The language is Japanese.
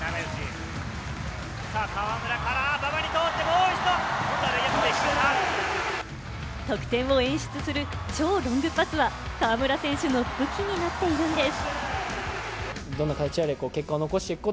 河村から馬場に通して、もう一度。得点を演出する超ロングパスは河村選手の武器になっているんです。